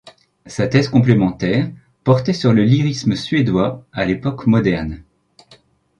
Sa thèse complémentaire portait sur le lyrisme suédois à l'époque moderne.